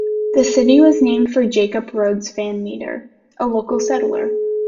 The city was named for Jacob Rhodes Van Meter, a local settler.